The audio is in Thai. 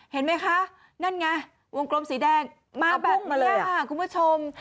เห็นไหมคะนั่นไงวงกลมสีแดงมาแบบนี้ค่ะคุณผู้ชม